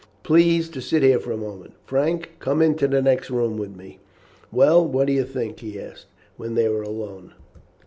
Please to sit here for a moment. Frank, come into the next room with me." "Well, what do you think?" he asked when they were alone.